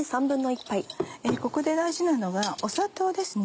ここで大事なのが砂糖ですね。